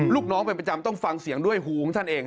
ลูกน้องเป็นประจำต้องฟังเสียงด้วยหูของท่านเอง